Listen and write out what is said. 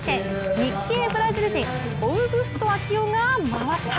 日系ブラジル人、オウグスト・アキオが回った！